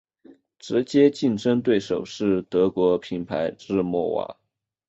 直接竞争对手是德国品牌日默瓦。